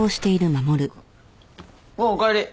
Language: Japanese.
・おうおかえり。